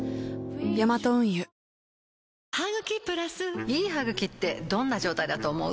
ヤマト運輸いい歯ぐきってどんな状態だと思う？